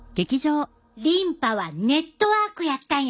リンパはネットワークやったんやな。